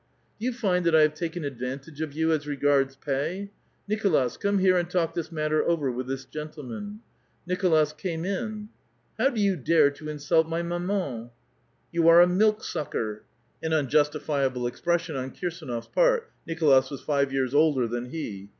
" Do you find that I have taken a(lvantage of 3'ou as re gards pay ?— Nicolas, come here and talk this matter over with this gentleman." Nicholas came in. *' How do you dare to insult m}' mamanf *' You are a milk sucker !" An unjustifiable expression on Kirsdnof's part. Nicolas was five years older than he.